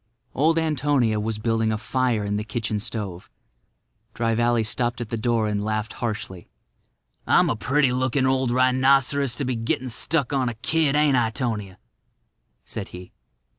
Old Antonia was building a fire in the kitchen stove. Dry Valley stopped at the door and laughed harshly. "I'm a pretty looking old rhinoceros to be gettin' stuck on a kid, ain't I, 'Tonia?" said he.